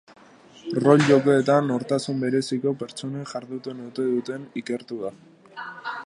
Rol-jokoetan nortasun bereziko pertsonek jarduten ote duten ikertu da.